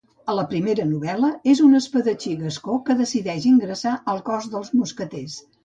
A la primera novel·la, és un espadatxí gascó que decideix ingressar al cos dels mosqueters.